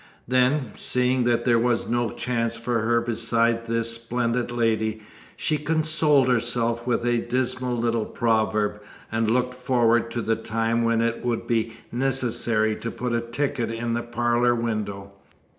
Then, seeing that there was no chance for her beside this splendid lady, she consoled herself with a dismal little proverb, and looked forward to the time when it would be necessary to put a ticket in the parlour window.